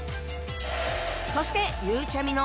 そしてゆうちゃみの